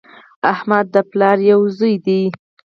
احمد د پلار یو زوی دی